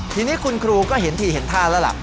ทีนี้คุณครูก็เห็นทีเห็นท่าแล้วล่ะ